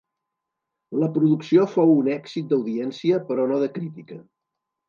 La producció fou un èxit d'audiència però no de crítica.